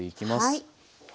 はい。